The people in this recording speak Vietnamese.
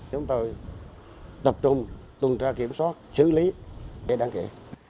chúng tôi tập trung tuần tra kiểm soát xử lý cái đáng kể